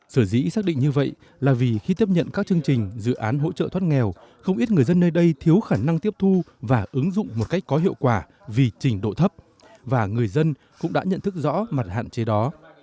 sở dĩ xác định như vậy là vì khi tiếp nhận các chương trình dự án hỗ trợ thoát nghèo không ít người dân nơi đây thiếu khả năng tiếp thu và ứng dụng một cách có hiệu quả vì trình độ thấp và người dân cũng đã nhận thức rõ mặt hạn chế đó